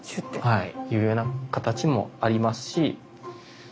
はい。